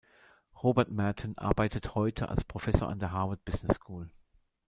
Robert Merton arbeitet heute als Professor an der Harvard Business School.